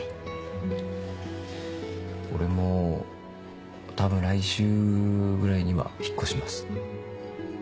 俺も多分来週ぐらいには引っ越します。